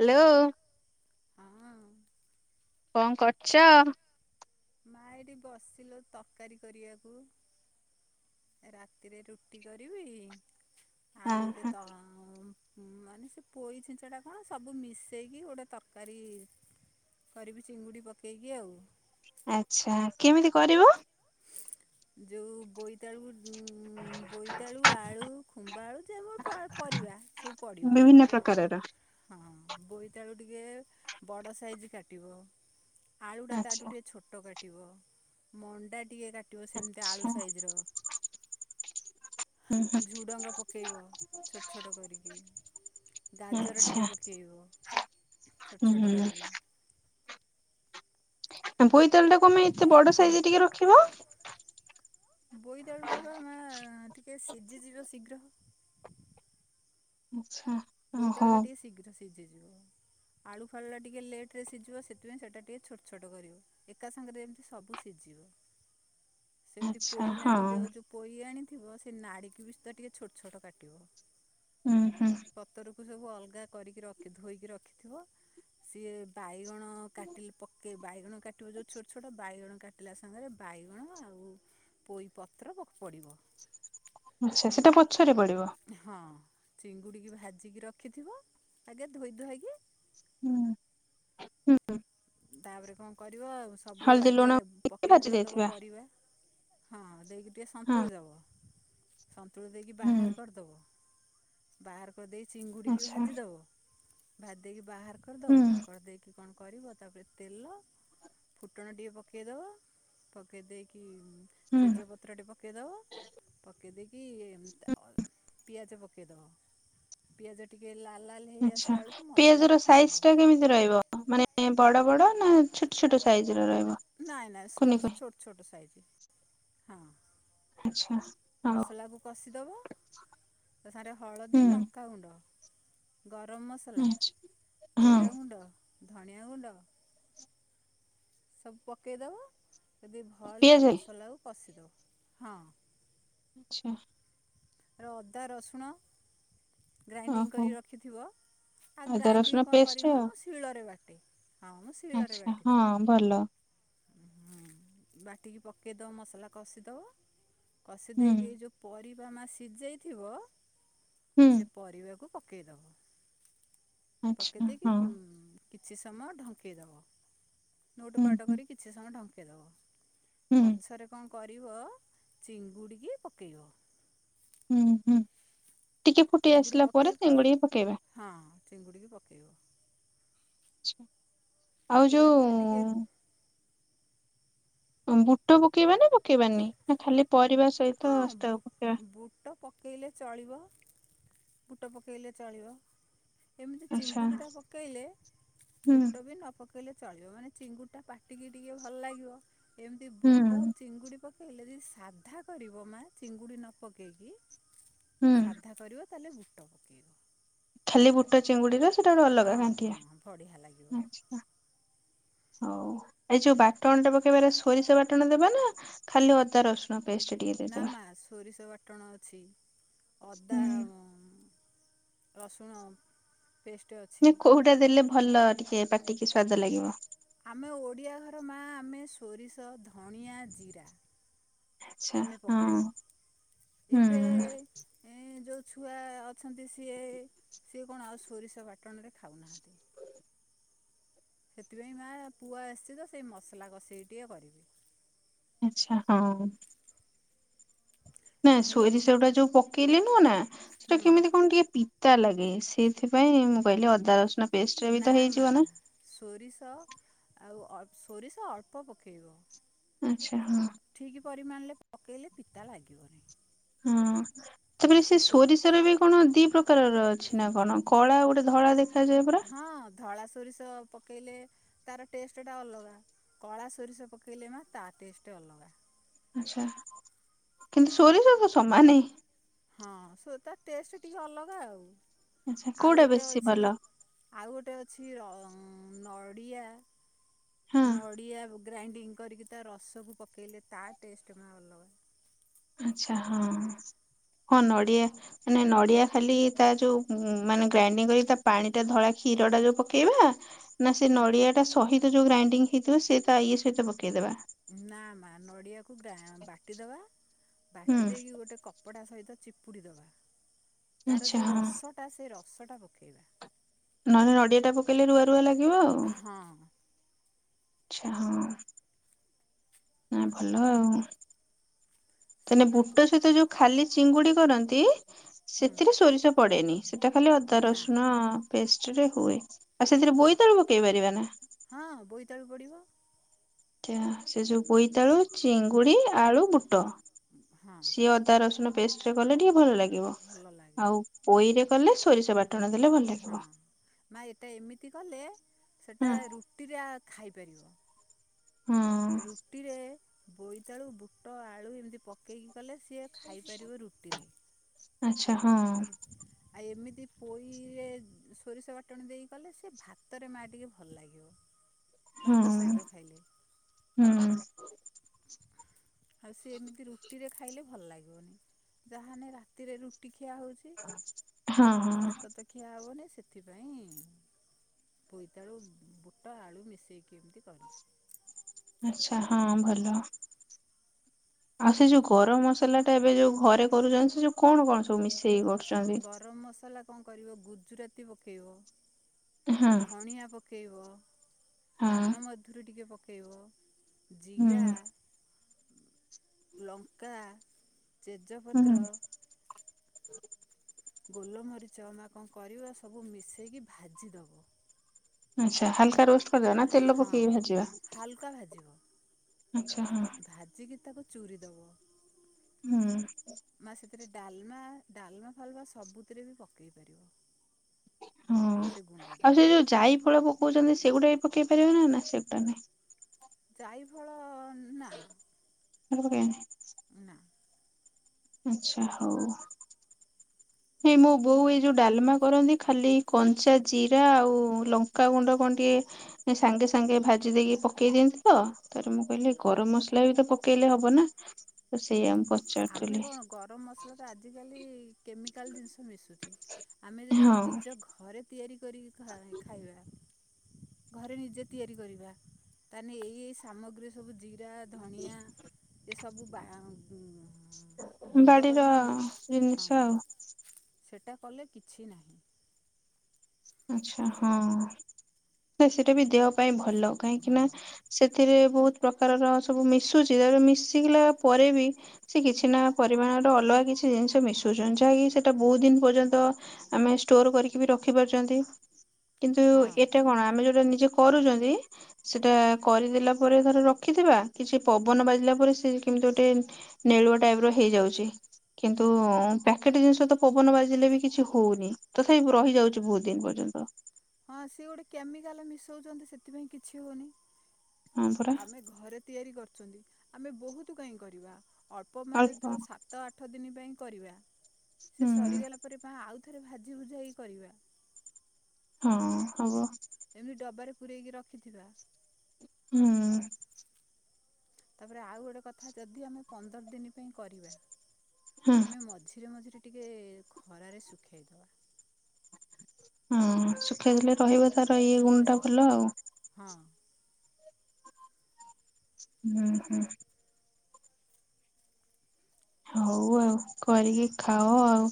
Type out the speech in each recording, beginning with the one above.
Hello hello ହଁ। କଣ କରୁଚ? ମା ଏଠି ବସିଲୁ ତରକାରୀ କରିବାକୁ। ରାତିରେ ରୁଟି କରିବି ଆଉ ଗୋଟେ ଓହୋ ତ ଆଉ ମାନେ ସେ ପୋଇ ଛିଞ୍ଚିଡ଼ା କଣ ସବୁ ମିସେଇକି ଗୋଟେ ତରକାରୀ କରିବି ଚିଙ୍ଗୁଡ଼ି ପକେଇକି ଆଉ। ଆଛା କେମିତି କରିବ? ଯୋଉ ବୋଇତାଳୁ ଉଁ ବୋଇତାଳୁ, ଆଳୁ, ଖୁମ୍ବ ଆଳୁ, ଯେଉ ପରିବା ସବୁ ପଡ଼ିବ। ବିଭିନ୍ନ ପ୍ରକାରର। ହଁ ବୋଇତାଳୁ ଟିକେ ବଡ଼ ସାଇଜ୍ କାଟିବ। ଆଳୁ ଟା ତାଠୁ ଆଚ୍ଛା ଟିକେ ଛୋଟ କାଟିବ ମଣ୍ଡା ଟିକେ କା [unintelligible] ସେମିତି ଆଚ୍ଛା ଆଳୁ ସାଇଜର। ହୁଁ ହୁଁ ଝୁଡ଼ଙ୍ଗ ପକେଇବ ଛୋଟ ଛୋଟ କରିକି। ଗାଜର ଆଚ୍ଛା ଟିକେ ପକେଇବ ଛୋଟ ଛୋଟ ହୁଁ କରିକି। ବୋଇତାଳୁ ଟାକୁ ଆମେ ଏତେ ବଡ ଆଉ ସାଇଜରେ ଟିକେ ରଖିବ। ବୋଇତାଳୁ ଟାକୁ ମା ଟିକେ ସିଝିଯିବ ଶୀଘ୍ର। ଆଚ୍ଛା। ଓହୋ ବୋଇତାଳୁ ଟା ଟିକେ ଶୀଘ୍ର ସିଝିଯିବ। ଆଳୁ ଫାଳୁ ଟା ଟିକେ ଲେଟ୍ରେ ସିଝିବ ସେଥିପାଇଁ ସେଟା ଟିକେ ଛୋଟ ଛୋଟ କରିବ। ଏକା ସାଙ୍ଗରେ ଏମତି ସବୁ ସିଝିବ ସେମିତି ଆଚ୍ଛା ପୋଇ ହଁ ନାଡିର ଯୋଉ ପୋଇ ଆଣିଥିବ ସେ ନାଡ଼ିକି ବି ସୁଧା ଟିକେ ଛୋଟ ଛୋଟ କାଟିବ। ଉହୁଁ। ପତରକୁ ସବୁ ଅଲଗା କରିକି ରଖି ଧୋଇକି ରଖିଥିବ। ସିଏ ବାଇଗଣ କାଟିଲେ ପକାଇବ ବାଇଗଣ କାଟିବ ଯେଉଁ ଛୋଟ ଛୋଟ ବାଇଗଣ କାଟିଲା ସାଙ୍ଗରେ ବାଇଗଣ ଆଉ ପୋଇ ପତ୍ର ପୋ ପଡ଼ିବ। ଆଚ୍ଛା ସେଟା ପଛରେ ପଡ଼ିବ। ହଁ ଚିଙ୍ଗୁଡ଼ିକି ଭାଜିକି ରଖିଥିବ ଆଗେ ଧୋଇ ଧାଇକି, ହୁଁ। ତାପରେ କଣ କରିବ ସବୁ ହଳଦୀ ଆଗେ ଲୁଣ ଟିକେ ପକେଇ ଭାଜି ପକାଇ ଦବ ଦେଇଥିବା ପରିବା। ହଁ ଦେଇକି ଟିକେ ହଁ ସନ୍ତୁଳି ଦବ। ସନ୍ତୁଳି ଦେଇକି ହୁଁ ବାହାର କରିଦବ, ବାହାର କରିଦେଇ ଚିଙ୍ଗୁଡ଼ିକି ଆଚ୍ଛା ଭାଜିଦବ। ଭାଜିଦେଇକି ବାହାର କରିଦବ। ହୁଁ କରିଦେଇକି କଣ କରିବ ତାପରେ ତେଲ ଫୁଟଣ ଟିକେ ପକାଇଦବା ପକେଇ ଦେଇକି ହୁଁ ତେଜପତ୍ର ପତ୍ରଟି ପକାଇଦବ ପକେଇ ଦେଇକି ଅ ପିଆଜ ପକାଇଦବ। ପିଆଜ ଟିକେ ଲାଲ୍ ଲାଲ୍ ଆଚ୍ଛା ପିଆଜ ର ସାଇଜ ଟା କେମିତି ରହିବ ମାନେ ବଡ଼ ବଡ଼ ନା ଛୋଟ ଛୋଟ ସାଇଜ ର ରହିବ। ନାଇଁ ନାଇଁ କୁନି ସର୍ କୁନି ଛୋଟ ଛୋଟ ସାହିଜି ହଁ। ଆଚ୍ଛା ହଉ ମସଲାକୁ କଷିଦବ। ତା ସାଙ୍ଗରେ ହଳଦୀ, ହୁଁ ଲଙ୍କାଗୁଣ୍ଡ, ଗରମ ମସଲା, ଆଚ୍ଛା ହଁ ଜିରା ଗୁଣ୍ଡ, ଧନୀଆ ଗୁଣ୍ଡ ସବୁ ପକାଇଦବ ଯଦି ଭଲକି ପିଆଜ ମସଲାକୁ କଷିଦବ ହଁ। ଆଚ୍ଛା। ର ଅଦା ରସୁଣ ଗ୍ରାଇଣ୍ଡିଙ୍ଗ ଓହୋ କରି ରଖିଥିବ ଆ ଅଦା ରସୁଣ ଗ୍ରାଇଣ୍ଡିଙ୍ଗ କଣ ପେଷ୍ଟ କରିମ ମ ଆଉ। ମୁଁ ଶିଳରେ ବାଟେ। ହଁ ମୁଁ ଆଚ୍ଛା ହଁ ଭଲ। ହୁଁ ବାଟିକି ପକେଇଦବ ମସଲା କଷିଦବ କଷି ହୁଁ ଦେଇକି ଏ ଯୋଉ ପରିବା ମା ସିଜେଇଥିବ ହୁଁ ସେ ପରିବାକୁ ପକାଇଦବ। ପକେଇ ଆଚ୍ଛା ହଁ ଦେଇକି କିଛି ସମୟ ଢଙ୍କେଇଦବ। ନୋଟ ହୁଁ ପାଟ୍ ହୁଁ। କରିକି କିଛି ସମୟ ଢଙ୍କେଇଦବ। ହୁଁ ପଛରେ କଣ କରିବ ଚିଙ୍ଗୁଡ଼ିକି ପକେଇବ। ହୁଁ ହୁଁ ଟିକେ ଫୁଟି ଚିଙ୍ଗୁଡ଼ି ଆସିଲା ପକାଇ ପରେ ଚିଙ୍ଗୁଡ଼ିକୁ ପକେଇବା। ହଁ ଚିଙ୍ଗୁଡ଼ିକି ପକେଇବ। ଆଚ୍ଛା ଆଉ ପକେଇଲା ପରେ ଟିକେ ଯୋଉ ହଁ ବୁଟ ପକେଇବ ନା ପକେଇବାନି ନା ଖାଲି ପରିବା ସହିତ ହଁ ବୁ ସେଟାକୁ ପକେଇବା? ବୁଟ ପକାଇଲେ ଚଳିବ ବୁଟ ପକାଇଲେ ଚଳିବ। ଏମିତି ଆଚ୍ଛା ଚିଙ୍ଗୁଡ଼ିଟା ପକେଇଲେ ହୁଁ ବୁଟ ବି ନ ପକେଇଲେ ନ ପକେଇଲେ ଚଳିବ। ମାନେ ଚିଙ୍ଗୁଡ଼ିଟା ପାଟିକି ଟିକେ ଭଲ ଲାଗିବ ଏମିତି ହୁଁ ବୁଟ ଚିଙ୍ଗୁଡ଼ି ପକେଇଲେ ଯଦି ସାଧା କରିବ ନା ଚିଙ୍ଗୁଡ଼ି ନ ପକେଇକି ହୁଁ। ସାଧା କରିବ ତାହେଲେ ବୁଟ ପକାଇବ। ଖାଲି ବୁଟ ଚିଙ୍ଗୁଡ଼ି ର ସେଟା ଗୋଟେ ଅଲଗା ହଁ ଘାଣ୍ଟିଆ ହଁ ବଢ଼ିଆ ଲାଗିବ ଆଚ୍ଛା। [inaudible] ହଉ ଏ ଯୋଉ ବାଟଣଟା ପକେଇବାର ସୋରିଷ ବାଟଣ ଦେବା ନା ଖାଲି ଅଦା ରସୁଣ ପେଷ୍ଟ? ଟିକେ ନା ଦେଇଦବା ମା ସୋରିଷ ବାଟଣ ଅଛି। ଅଦା ଆଉ ରସୁଣ ପେଷ୍ଟ୍ ଅଛି। ନା କୋଉଟା ଦେଲେ ଭଲ ଟିକେ ପାଟିକି ସ୍ଵାଦ ଲାଗିବ? ଆମେ ଓଡ଼ିଆ ଘର ମା ଆମେ ସୋରିଷ ଧଣିଆ ଜିରା। ଆଚ୍ଛା ଆମେ ପକାଉ ହଁ ଏବେ ହୁଁ ଏ ଯେଉଁ ଛୁଆ ଅଛନ୍ତି ସିଏ ସିଏ କଣ ଆଉ ସୋରିଷ ବାଟଣରେ ଖାଉନାହାଁନ୍ତି। ସେଥିପାଇଁ ମା ପୁଅ ଆସିଛି ତ ସେଇ ମସଲା କଷେଇ ଟିକଏ କରିବି। ଆଚ୍ଛା ହଉ। ନା ନହେଲେ ସୋରିଷଗୁଡ଼ା ଯୋଉ ପକେଇଲେ ନୁହଁ ନା ସେଟା ହୁଁ କେମିତି କଣ ଟିକେ ପିତା ଲାଗେ ସେଇଥିପାଇଁ ମୁଁ କହିଲି ଅଦା ରସୁଣ ପେଷ୍ଟରେ ବି ନା ତ ମା ହେଇଯିବ ନା। ସୋରିଷ ଆଉ ସୋରିଷ ଅଳ୍ପ ପକାଇବ। ଆଚ୍ଛା ହଁ। ଠିକ୍ ପରିମାଣରେ ପକେଇଲେ ପିତା ଲାଗିବନି। ହଁ ତାପରେ ସେ ସୋରିଷ ବି କଣ ଦି ପ୍ରକାରର ଅଛି ନା କଣ କଳା ଗୋଟେ ଧଳା ଦେଖ ହଁ ଧଳା ସୋରିଷ ପକେଇଲେ ତାର ଟେଷ୍ଟଟା ଅଲଗା କଳା ସୋରିଷ ପକେଇଲେ ମା ତା ଟେଷ୍ଟ ଅଲଗା। ଆଚ୍ଛା କିନ୍ତୁ ସୋରିଷ ତ ସମାନ। ହଁ ସେ ତା ଟେଷ୍ଟ ଟିକେ ଅଲଗା ଆଉ ଆଚ୍ଛା ଆଉ କୋଉଟା ଗୋଟେ ବେଶୀ ଅଛି ଭଲ ଆଉ ଗୋଟେ ଅଛି ନଡ଼ିଆ ହଁ ନଡ଼ିଆ ଗ୍ରାଇଣ୍ଡିଙ୍ଗ କରିକି ତା ରସକୁ ପକାଇଲେ ତା ଟେଷ୍ଟ ମା ଅଲଗା। ଆଛା ହଁ ହଁ ନଡ଼ିଆ ମାନେ ନଡ଼ିଆ ଖାଲି ତା ଯୋଉ ମାନେ ଗ୍ରାଇଣ୍ଡିଙ୍ଗ କରି ତା ପାଣି ଟା ଧଳା କ୍ଷୀର ଟା ଯୋଉ ପକେଇବା ନା ସେ ନଡ଼ିଆ ଟା ସହିତ ଯୋଉ ଗ୍ରାଇଣ୍ଡିଙ୍ଗ୍ ହେଇଥିବ ସେ ତା ଇଏ ସହିତ ପକେଇଦବା? ନା ମା ନଡ଼ିଆକୁ ବାଟିଦବା ହୁଁ ବାଟି ଦେଇକି ଗୋଟେ କପଡ଼ା କପଡ଼ା ସହିତ ଚିପୁଡ଼ି ଦେବା ତାର ଆଚ୍ଛା ଯେଉଁ ହଁ ରସଟା ସେ ରସଟା ପକେଇବା। ନହେଲେ ନଡ଼ିଆ ଟା ପକେଇଲେ ରୁଆ ରୁଆ ଲାଗିବ ଆଉ ହଁ ଆଛା ହଁ। ଭଲ ଆଉ ମାନେ ସେଇ ବା ପୁ ବୁଟ ସହିତ ଯୋଉ ଖାଲି ଚିଙ୍ଗୁଡ଼ି କରନ୍ତି ହୁଁ ସେଥିରେ ସୋରିଷ ପଡ଼େ ନି। ସେଟା ଖାଲି ଅଦା ନା ରସୁଣ ପେଷ୍ଟ ରେ ହୁଏ ଆଉ ସେଥିରେ ହଁ ବୋଇତାଳୁ କୁ ପକେଇ ପାରିବା ନା? ହଁ ବୋଇତାଳୁ ପଡ଼ିବ। ସେ ଯୋଉ ବୋଇତାଳୁ ଚିଙ୍ଗୁଡ଼ି ଆଳୁ ବୁଟ ହଁ ସିଏ ଅଦା ରସୁଣ ପେଷ୍ଟରେ କଲେ ଟିକେ ଭଲ ଲାଗିବ। ଭଲ ଲାଗେ ଆଉ ପୋଇରେ କଲେ ସୋରିଷ ବାଟଣ ଦେଲେ ଭଲ ହଁ ଲାଗିବ ମା ଏଇଟା ଏମିତି କଲେ ସେଟା ହଁ। ରୁଟି ରେ ଖାଇପାରିବ ହଁ ରୁଟି ରୁଟିରେ ବୋଇତାଳୁ ବୁଟ ଆଳୁ ଏମିତି ପକେଇକି କଲେ ସିଏ ଖାଇପାରିବ ରୁଟିରେ। ଆଚ୍ଛା ହଁ। ରୁଟି ଆଉ ଏମିତି ପୋଇରେ ସୋରିଷ ବାଟଣ ଦେଇ କଲେ ସେ ଭାତରେ ମା ଟିକେ ଭଲ ଲାଗିବ। [inaudible] ହଁ ସହିତ ଖାଇଲେ ହୁଁ। ଆଉ ସେ ଏମିତି ରୁଟିରେ ଖାଇଲେ ଭଲ ଲାଗିବନି ଯାହା ହେଲେ ରାତିରେ ରୁଟି ଖିଆ ହଉଛି ହଁ ହଁ। ଭାତ ତ ଖିଆ ହବନି ସେଥିପାଇଁ ପୋଇତାଳୁ ବୁଟ ଆଳୁ ମିଶେଇକି ଏମିତି କରୁଛି। ଆଛା ହଁ ଭଲ। ଆଛା ସେ ଯୋଉ ଗରମ ମସଲାଟା ଏବେ ଯୋଉ ଘରେ କରୁଛନ୍ତି ସେ ଯୋଉ କଣ କଣ ସବୁ ମିଶେଇ ଗରମ ମସଲା କଣ କରିବ ଗୁଜୁରାତି ପକେଇବ। ହଁ ଧଣିଆ ପକେଇବ ହଁ ପାନ ମଧୁରୀ ଟିକେ ପକେଇବ। ଜୀରା ହୁଁ ଲଙ୍କା ହୁଁ ଜେଜପତ୍ର ଗୋଲମରିଚ ନା କଣ କରିବ ସବୁ ମିଶେଇକି ଭାଜିଦବ। ଆଛା ହାଲକା ରୋଷ୍ଟ। [inaudible] ହଁ ପକେଇକି ଭାଜିବା? ହାଲକା ଭାଜିବ ଆଚ୍ଛା ହଁ ଭାଜିକି ତାକୁ ଚୁୁରିଦବ। ହୁଁ। ମା ସେଥିରେ ଡାଲମା ଡାଲମା ଫାଲମା ସବୁଥିରେ ବି ପକେଇ ପାରିବ। ହଁ ସେ ଗୁଣ୍ଡଟା ଆଉ ସେ ଯୋଉ ଜାଇଫଳ ପକଉଛନ୍ତି ସେଗୁଡ଼ାବି ପକେଇ ପାରିବ ନା ନା ସେଗୁଡ଼ା ନାଇଁ। ଜାଇଫଳ ନା ହୁଁ। ନା। [inaudible] ଆଛା ହଉ। ଏଇ ମୋ ବୋଉ ଏଇ ଯୋଉ ଡାଲମା କରନ୍ତି ଖାଲି କଞ୍ଚା ଜିରା ଆଉ ଲଙ୍କାଗୁଣ୍ଡ କଣ ଟିକେ ସାଙ୍ଗେ ସାଙ୍ଗେ ଭାଜି ଦେଇକି ପକେଇ ଦିଅନ୍ତି ତ ମୁଁ କହିଲି ଗରମ ମସଲା ବି ତ ପକେଇଲେ ହବ ନା ହୁଁ, ସେଇୟା ମୁଁ ଆମେ ପଚାରୁଥିଲି। କଣ ଗରମ ମସଲାରେ ଆଜିକାଲି କେମିକାଲ ଜିନିଷ ମିଶୁଛି ଆମେ ଯଦି ନିଜ ହଁ ଘରେ ତିଆରି କରିକି ଖା ଖାଇବା। ଘରେ ନିଜେ ତିଆରି କରିବା ତାଲେ ଏ ସାମଗ୍ରୀ ସବୁ ଜିରା ଧଣିଆ ଏସବୁ ବା ହ ଗୁଣ୍ଡ ବାଡିର କରିକି ନି ଜିନିଷ ହଁ ଆଉ ସେଇଟା କଲେ କିଛି ନାହିଁ। ଆଛା ହଁ ସେଟା ବି ଦେହ ପାଇଁ ଭଲ କାହିଁକି ନା ଭଲ ସେଥିରେ ବହୁତ ପ୍ରକାରର ସବୁ ମିଶୁଛି ତା ମିଶିଲା ପରେ ବି ସେ କିଛି ନା ପରିମାଣର ଅଲଗା କିଛି ଜିନିଷ ମିଶଉଛନ୍ତି ଯାହାକି ସେଟା ବହୁତ ଦିନ ପର୍ଯ୍ୟନ୍ତ ଆମେ ଷ୍ଟୋର କରିକି ବି ରଖି ପାରୁଛନ୍ତି କିନ୍ତୁ ହଁ ଏଇଟା କଣ ଆମେ ଯୋଉଟା ନିଜେ କରୁଛନ୍ତି। ସେଟା କରିଦେଲା ପରେ ଧର ରଖିଥିବା କିଛି ପବନ ବାଜିଲା ପରେ ସେ କେମିତି ଗୋଟେ ନେଳୁଆ ଟାଇପର୍ ହେଇଯାଉଛି। କିନ୍ତୁ ପ୍ୟାକେଟ ଜିନିଷ ତ ପବନ ବାଜିଲେ ବି କିଛି ହଉନି ତଥାପି ରହିଯାଉଛି ବହୁତ ଦିନ ପର୍ଯ୍ୟନ୍ତ। ହଁ ସିଏ ଗୋଟେ କେମିକାଲ ମିଶଉଛନ୍ତି ସେଥିପାଇଁ କିଛି ହଉନି। ହଁ ପରା ଆମେ ଘରେ ତିଆରି କରୁଛନ୍ତି ଆମେ ବହୁତ କାହିଁ କରିବା। ଅଳ୍ପ ମାନେ ଧର ସାତ ଆଠ ଦିନ ପାଇଁ କରିବା ସେ ହୁଁ ସରିଗଲା ପରେ ବା ଆଉ ଥରେ ଭାଜି ଭୁଜା ହେଇ କରିବା। ହଁ ହବ। ଏମିତି ଡବାରେ ପୁରେଇକି ରଖିଥିବା। ହୁଁ। ତାପରେ ଆଉ ଗୋଟେ କଥା ଯଦି ଆମେ ପନ୍ଦର ଦିନ ପାଇଁ କରିବା ହଁ ଆମେ ମଝିରେ ମଝିରେ ଟିକେ ଖରାରେ ଶୁଖେଇଦବା। ହଁ ଶୁଖେଇଦେଲେ ରହିବ ତାର ଇଏ ଗୁଣଟା ଶୁଖ ଭଲ ଆଉ ହଁ। ହୁଁ ହୁଁ। [inaudible] ହଉ ଆଉ କରିକି ଖାଅ ଆଉ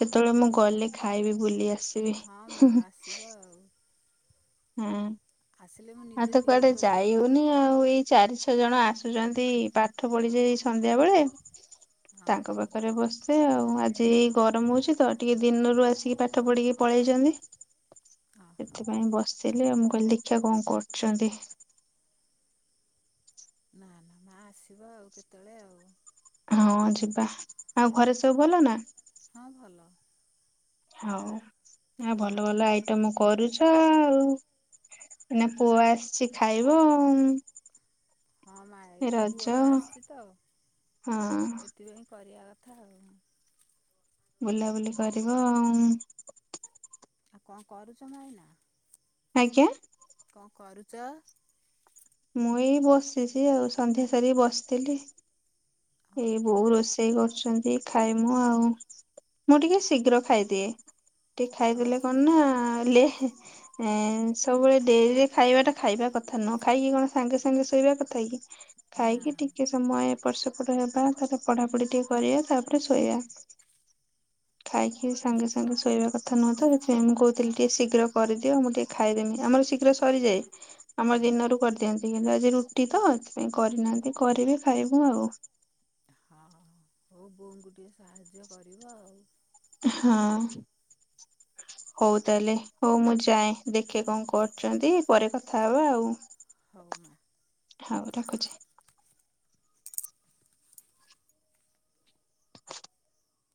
କେତେବେଳେ ମୁଁ ଗଲି ଖାଇବି ବୁଲିଆ। ଆସିବି। ହିଁ ହିଁ ହିଁ। ହଉ। ହୁଁ। ଆସିଲି ମୁଇ ଆଉ ତ କୁଆଡେ ଯାଇ ହଉନି। [unintelligible] ଆଉ ଏଇ ଚାରି ଛଅ ଜଣ ଆସୁଛନ୍ତି ପାଠ ପଢ଼ିଯେ ଏଇ ସନ୍ଧ୍ୟାବେଳେ। ହଁ ତାଙ୍କ ହଉ ହଁ ପାଖରେ ବସ ସେ ଆଉ ଆଜି ଗରମ ହଉଛି ତ ଟିକେ ଦିନରୁ ଆସିକି ପାଠ ପଢିକି ପଳେଇଛନ୍ତି। ହଉ ସେଥିପାଇଁ ବସିଥିଲି ଆଉ ମୁଁ କହିଲି ଦେଖିବା କଣ କରୁଛନ୍ତି? ନା ନା ମା ଆସିବ ଆଉ କେତେବେଳେ ଆଉ। ହଁ ଯିବା ଆଉ ଘରେ ସବୁ ଭଲ ନା? ହଁ ଭଲ। ହଉ ଆଉ ଭଲ ଭଲ ଆଇଟମ କରୁଛ ଆଉ। ନା ପୁଅ ଆସିଛି ଖାଇବ ଆଉ। ହଁ ମା ଏଇନା ନା ରଜ ପୁଅଟା ଆସିଛି ତ ହଁ ସେଥିପାଇଁ କରିବା କଥା ଆଉ। ବୁଲାବୁଲି କରିବ ଆଉ। ଆଉ କଣ କରୁଛ ଭାଇନା? ଆଜ୍ଞା। କଣ କରୁଚ? ମୁଁ ଏଇ ବସିଛି ଆଉ ସନ୍ଧ୍ୟା ସାରିକି ବସିଥିଲି ହଁ ଏଇ ହଉ ବୋଉ ରୋଷେ ସେଇ କରୁଛନ୍ତି ଖାଇମୁ ଆଉ ମୁଁ ଟିକେ ଶୀଘ୍ର ଖାଇଦିଏ। ଟିକେ ହଉ ଖାଇଦେଲେ କଣ ନା ଲୁଏ। ଏଁ ସବୁବେଳେ ଡେରିରେ ଖାଇବା ଟା ଖାଇବା କଥା ନୁହଁ ଖାଇକି କଣ ସାଙ୍ଗେ ସାଙ୍ଗେ ଶୋଇବା କଥା କି? ନା ଖାଇକି ଟିକେ ସମୟ ଏପଟ ସେପଟ ହେବା ତା ପରେ ପଢାପଢି ଟିକେ କରିବା ତାପରେ ଶୋଇବା। ଖାଇକି ସାଙ୍ଗେ ସାଙ୍ଗେ ଶୋଇବା କଥା ନୁହଁ ତ ହେଥିପାଇଁ ମୁଁ କହୁଥିଲି ଟିକେ ଶୀଘ୍ର କରିଦିଅ ମୁଁ ଟିକେ ଖାଇଦେମି ଆମର ଶୀଘ୍ର ସରିଯାଏ। ଆମର ଅ- ଦିନରୁ କରିଦିଅନ୍ତି କିନ୍ତୁ ଆଜି ରୁଟି ତ ହେଥିପାଇଁ କରିନାହାନ୍ତି କରିବେ ଖାଇବୁ ଆଉ। ହଁ ହଁ ବୋଉ ବୋଉଙ୍କୁ ଟିକେ ସାହାଯ୍ୟ କରିବ ଆଉ। ହଁ। [inaudible] ହଉ ତାହେଲେ ହଉ ମୁଁ ଯାଏଁ ଦେଖେ କଣ କରୁଛନ୍ତି ପରେ କଥା ହେବା ଆଉ। ହଉ ମା। ହଉ ରଖୁଛି।